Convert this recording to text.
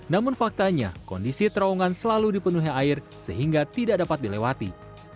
namun faktanya kondisi terowongan selalu dipenuhi air sehingga tidak dapat dilewati